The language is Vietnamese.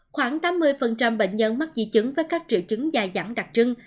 khoảng tám mươi bệnh nhân mắc di chứng với các triệu chứng dài dẳng đặc trưng